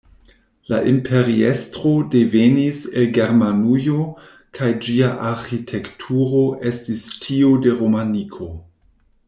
La imperiestro devenis el Germanujo, kaj ĝia arĥitekturo estis tiu de romaniko.